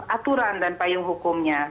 aturan dan payung hukumnya